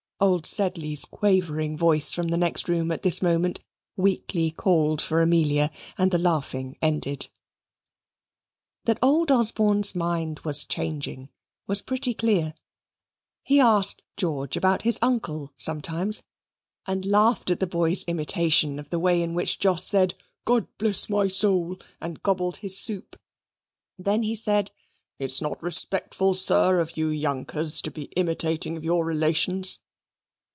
Old Sedley's quavering voice from the next room at this moment weakly called for Amelia, and the laughing ended. That old Osborne's mind was changing was pretty clear. He asked George about his uncle sometimes, and laughed at the boy's imitation of the way in which Jos said "God bless my soul" and gobbled his soup. Then he said, "It's not respectful, sir, of you younkers to be imitating of your relations.